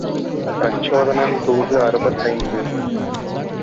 பிரச்சோதனன் தூது அறுபத்தைந்து.